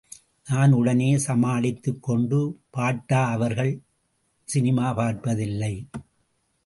நான் உடனே சமாளித்துக் கொண்டு பாட்டா அவர்கள் சினிமா பார்ப்பதில்லை.